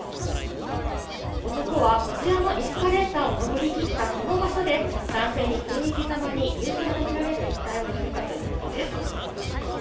男はこちらのエスカレーターを上りきったこの場所で、男性に振り向きざまに、硫酸と見られる液体をかけたということです。